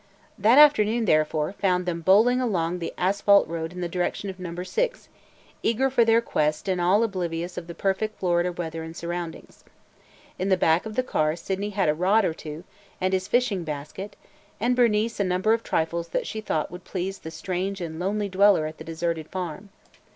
That afternoon, therefore, found them bowling along the asphalt road in the direction of Number Six, eager for their quest and all oblivious of the perfect Florida weather and surroundings. In the back of the car Sydney had a rod or two and his fishing basket and Bernice a number of trifles that she thought would please the strange and lonely dweller at the deserted farm.